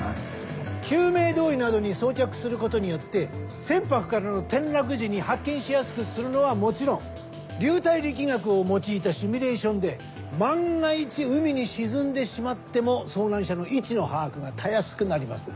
救命胴衣などに装着することによって船舶からの転落時に発見しやすくするのはもちろん流体力学を用いたシミュレーションで万が一海に沈んでしまっても遭難者の位置の把握がたやすくなります。